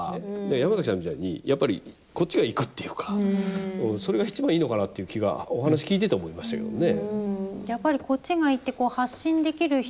山崎さんみたいに、やっぱりこっちが行くっていうかそれが一番いいのかなという気がお話聞いてて思いましたけどね。